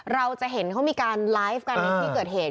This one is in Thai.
เราจะเห็นเขามีการไลฟ์กันในที่เกิดเหตุ